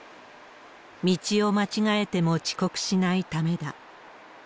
道を間違えても遅刻しないためだ。